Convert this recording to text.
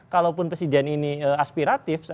kalaupun presiden ini aspiratif